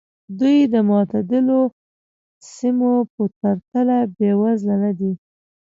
دوی د معتدلو سیمو په پرتله بېوزله نه دي.